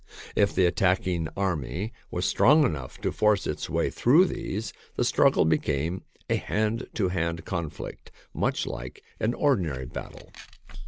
If the attacking army was strong enough to force its way through these, the struggle became a hand to hand conflict, much like an ordinary battle.